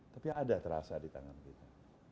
tapi ada terasa di tangan kita